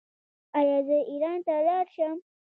ایا زه ایران ته لاړ شم؟